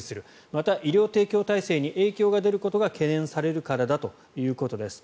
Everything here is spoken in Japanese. また、医療提供体制に影響が出ることが懸念されるからだということです。